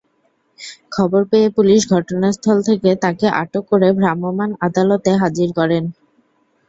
খবর পেয়ে পুলিশ ঘটনাস্থল থেকে তাঁকে আটক করে ভ্রাম্যমাণ আদালতে হাজির করেন।